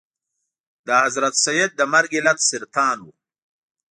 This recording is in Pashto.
د حضرت سید د مرګ علت سرطان و.